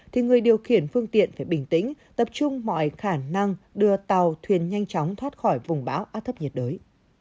thì người điều khiển phương tiện phải bình tĩnh tập trung mọi khả năng đưa tàu thuyền nhanh chóng thoát khỏi vùng bão áp thấp nhiệt đới